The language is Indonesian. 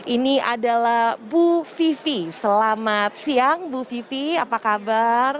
ini adalah bu vivi selamat siang bu vivi apa kabar